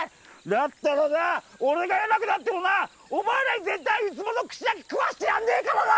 だったらな俺が偉くなってもなお前らに絶対ウツボの串焼き食わしてやんねえからな！